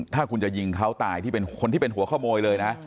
ถ้าคุณจะยิงเขาตายที่เป็นคนที่เป็นหัวขโมยเลยนะ